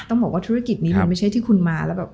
ต้องบอกว่าธุรกิจนี้มันไม่ใช่ที่คุณมาแล้วแบบ